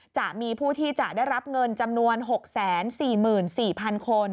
จะมีผู้ที่จะได้รับเงินจำนวน๖๔๔๐๐๐คน